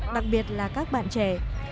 đặc biệt là các bạn trẻ